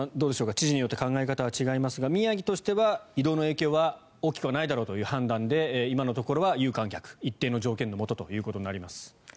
知事によって考え方は違いますが宮城としては移動の影響は大きくないだろうという判断で今のところは有観客一定の条件のもとということになります。